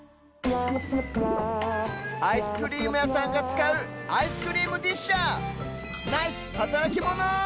アイスクリームやさんがつかうアイスクリームディッシャーナイスはたらきモノ！